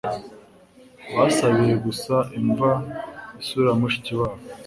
Basabiye gusa imva Isura ya mushikiwabo